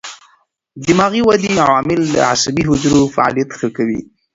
دماغي ودې عوامل د عصبي حجرو فعالیت ښه کوي.